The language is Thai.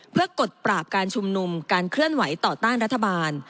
เพื่อกดปราบการชุมนุมการเคลื่อนไหวต่อต้านรัฐบาล